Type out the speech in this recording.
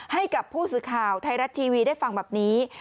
ให้กับผู้สื่อข่าวไทยรัฐทีวีได้ฟังแบบนี้